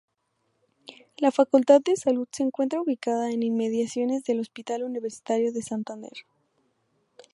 La Facultad de Salud se encuentra ubicada en inmediaciones del Hospital Universitario de Santander.